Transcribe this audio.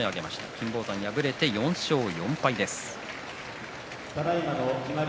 金峰山は敗れて４勝４敗です。